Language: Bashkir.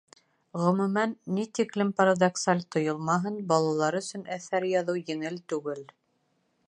Ғөмүмән, ни тиклем парадоксаль тойолмаһын, балалар өсөн әҫәр яҙыу еңел түгел.